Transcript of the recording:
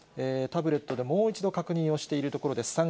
タブレットでもう一度確認をしているところです。